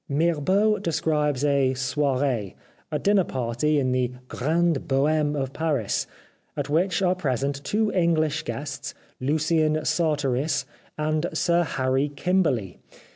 Mirbeau describes a soiree, a dinner party in the grande Boheme of Paris, at which are present two English guests, Lucien Sartorys and Sir Harry Kimberly.